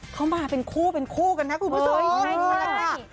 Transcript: เขามาเป็นคู่เป็นคู่กันนะคุณผู้ชม